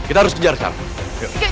kita harus harus kejarkar